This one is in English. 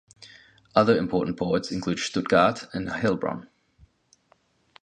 Other important ports include Stuttgart and Heilbronn.